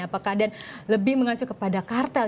apakah dan lebih mengacu kepada kartel